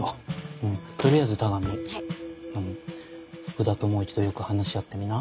福田ともう一度よく話し合ってみな。